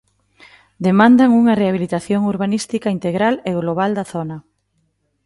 Demandan unha rehabilitación urbanística integral e global da zona.